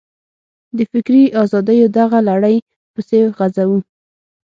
د فکري ازادیو دغه لړۍ پسې غځوو.